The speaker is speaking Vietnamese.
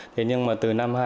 thế nhưng mà từ năm hai